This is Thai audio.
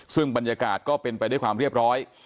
ซึ่งบรรยากาศก็เป็นไปด้วยความเรียบร้อย